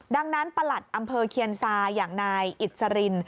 ดังนั้นประหลัดอำเภอเคียนซาอย่างนายอิสริน